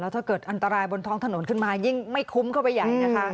ถ้าเกิดอันตรายบนท้องถนนขึ้นมายิ่งไม่คุ้มเข้าไปใหญ่นะคะ